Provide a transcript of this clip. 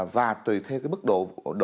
và tùy theo cái bức độ